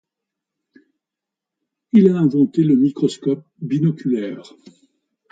Il a inventé le microscope binoculaire.